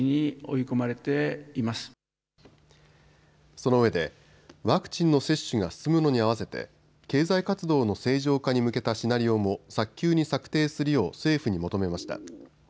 そのうえでワクチンの接種が進むのにあわせて経済活動の正常化に向けたシナリオも早急に策定するよう政府に求めました。